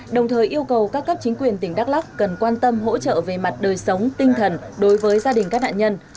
đồng thời yêu cầu các cấp chính quyền tỉnh đắk lắc cần quan tâm hỗ trợ về mặt đời sống tinh thần đối với gia đình các nạn nhân